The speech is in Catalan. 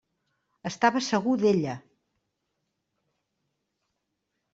Estava segur d'ella.